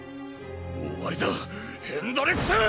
終わりだヘンドリクセン！